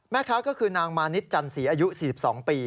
แม่ค้าก็คือนางมานิดจันสีอายุ๔๒ปี